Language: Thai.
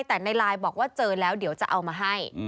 แต่ในไลน์บอกว่าเจอแล้วเดี๋ยวจะเอามาให้